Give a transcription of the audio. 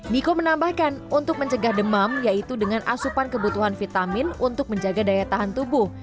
niko menambahkan untuk mencegah demam yaitu dengan asupan kebutuhan vitamin untuk menjaga daya tahan tubuh